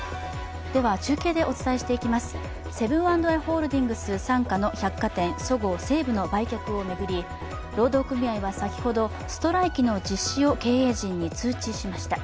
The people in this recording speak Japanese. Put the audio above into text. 中継でお伝えしていきます、セブン＆アイ・ホールディングス傘下の百貨店、そごう・西武の売却を巡り、労働組合は先ほどストライキの実施を経営陣に通知しました。